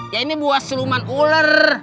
ya ini buat seluman ular